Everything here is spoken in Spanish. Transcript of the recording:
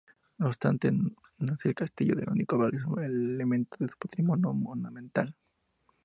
No obstante, no es el castillo el único valioso elemento de su patrimonio monumental.